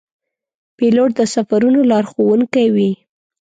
پیلوټ د سفرونو لارښوونکی وي.